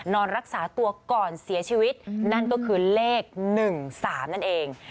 นอนรักษาตัวก่อนเสียชีวิตนั่นก็คือเลข๑๓นั่นเอง